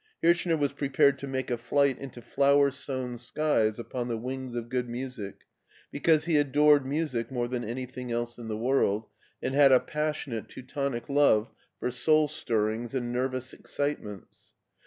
Hirchner was prepared to make a flight into flower sown skies upon the wings of good music, because he adored music more than any thing else in the world, and had a passionatef Teutonic love for soul stirrings and nervous excitements.